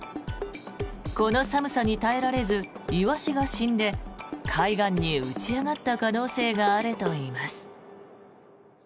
この寒さに耐えられずイワシが死んで海岸に打ち上がった可能性があるといいます。